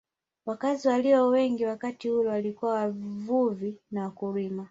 Wakazi walio wengi wakati ule walikuwa wavuvi na wakulima